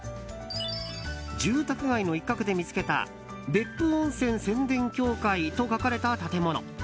住宅街の一角で見つけた別府温泉宣伝協会と書かれた建物。